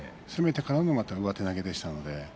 攻めてからの上手投げでした。